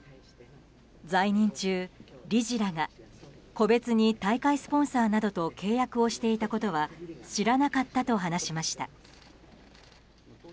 在任中、理事らが個別に大会スポンサーなどと契約をしていたことは知らなかったと話しました。